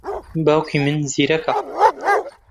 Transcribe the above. باوکی من زیرەکە.